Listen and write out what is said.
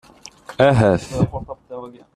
Ahat.